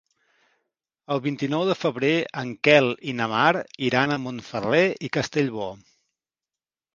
El vint-i-nou de febrer en Quel i na Mar iran a Montferrer i Castellbò.